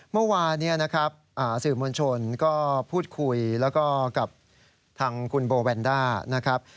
เมื่อวานนี้นะครับสื่อมวลชนก็พูดคุยแล้วก็กับทางคุณโบแวนด้านะครับ